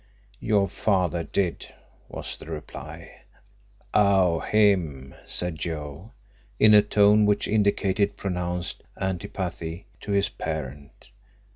"Your father did," was the reply. "Oh, him!" said Joe, in a tone which indicated pronounced antipathy to his parent.